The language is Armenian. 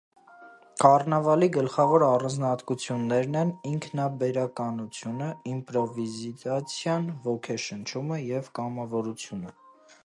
Կառնավալի գլխավոր առանձնահատկություններն են ինքնաբերականությունը, իմպրովիզացիան, ոգեշնչումը և կամավորությունը։